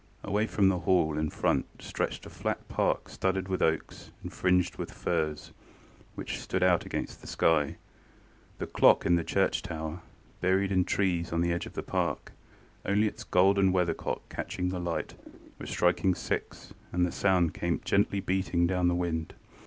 Away from the Hall in front stretched a flat park studded with oaks and fringed with firs, which stood out against the sky. The clock in the church tower, buried in trees on the edge of the park, only its golden weather cock catching the light, was striking six, and the sound came gently beating down the wind.